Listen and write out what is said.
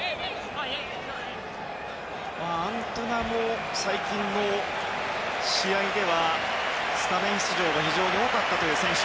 アントゥナも最近の試合ではスタメン出場が非常に多かった選手。